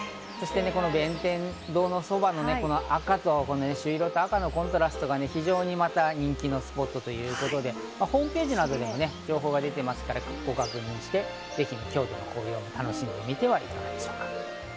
弁天堂のそばの朱色と赤のコントラストがまた人気のスポットということでホームページなどで情報が出ていますので、ご確認してぜひ京都の紅葉も楽しんでみてはいかがでしょうか。